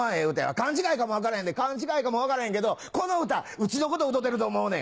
勘違いかも分からへんで勘違いかも分からへんけどこの歌うちのこと歌うてると思うねん」。